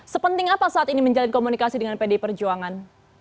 sepenting apa saat ini menjalin komunikasi dengan pdi perjuangan